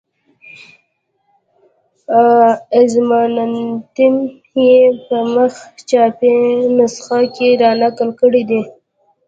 اظماننتم یې په مخ چاپي نسخه کې را نقل کړی دی.